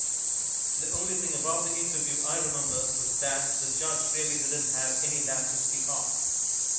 The only thing about the interview I remember was that the Judge really didn't have any lap to speak of.